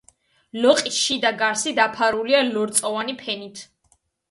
ლოყის შიდა გარსი დაფარულია ლორწოვანი ფენით.